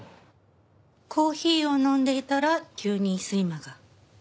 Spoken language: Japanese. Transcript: コーヒーを飲んでいたら急に睡魔が？